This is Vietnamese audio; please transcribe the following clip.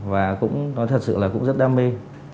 và cũng nói thật sự là cũng rất đam mê